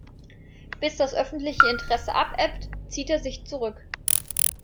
Bis das öffentliche Interesse abebbt, zieht er sich zurück.